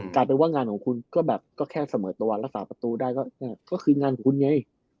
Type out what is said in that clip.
กลายเป็นว่างานของคุณก็แบบก็แค่เสมอตัวรักษาประตูได้ก็คืองานของคุณไง